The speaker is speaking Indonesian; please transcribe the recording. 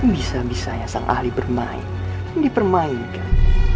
bisa bisanya sang ahli bermain dipermainkan